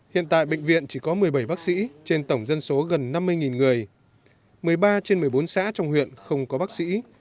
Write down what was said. hiện tại bệnh viện chỉ có một mươi bảy bác sĩ trên tổng dân số gần năm mươi người một mươi ba trên một mươi bốn xã trong huyện không có bác sĩ